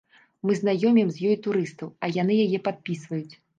Мы знаёмім з ёй турыстаў, а яны яе падпісваюць.